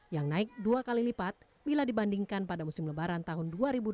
yang naik dua kali lipat bila dibandingkan pada musim lebaran tahun dua ribu dua puluh